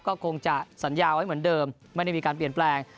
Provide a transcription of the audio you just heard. ก็คงจะสัญญาไว้เหมือนเดิมไม่ได้มีการเปลี่ยนแปลง